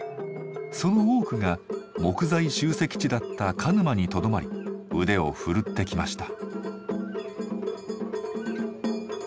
その多くが木材集積地だった鹿沼にとどまり腕を振るってきました。